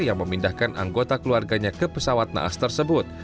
yang memindahkan anggota keluarganya ke pesawat naas tersebut